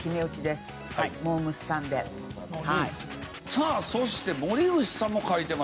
さあそして森口さんも書いてます。